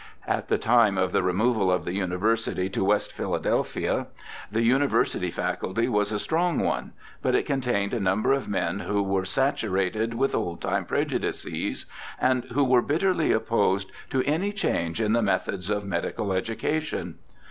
At the time of the removal of the University to West Philadelphia the University Faculty was a strong one, but it contained a number of men who were satu rated with old time prejudices, and who were bitterly opposed to any change in the methods of medical education.